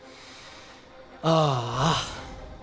ああ